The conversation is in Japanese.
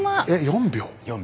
４秒。